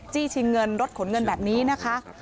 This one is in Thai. ชิงเงินรถขนเงินแบบนี้นะคะ